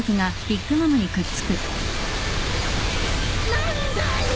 何だい？